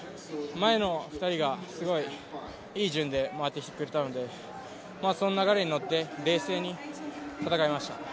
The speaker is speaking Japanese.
前の２人がいい順で回ってきてくれたのでその流れに乗って冷静に戦えました。